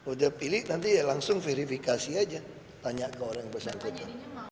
udah pilih nanti ya langsung verifikasi aja tanya ke orang yang bersangkutan